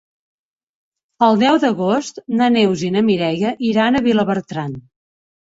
El deu d'agost na Neus i na Mireia iran a Vilabertran.